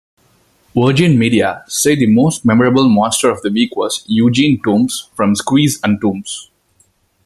"Virgin Media" said the most memorable "Monster-of-the-Week" was "Eugene Tooms" from "Squeeze" and "Tooms".